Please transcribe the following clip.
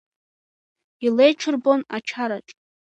Илеиҽырбон ачараҿ…